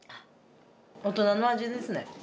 大人の味ですね。